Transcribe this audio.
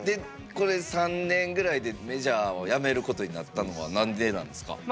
これ３年ぐらいでメジャーをやめることになったのは何でなんですか？